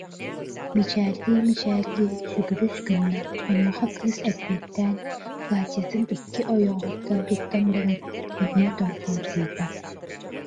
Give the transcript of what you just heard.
мичээрдии-мичээрдии сүгүрүс гынна, онуоха кыыс эппиэттээн платьетын икки ойоҕоһуттан тутан баран эмиэ тоҥхолдьуйда